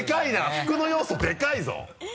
服の要素でかいぞ。